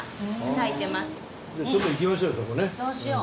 ちょっと行きましょうよ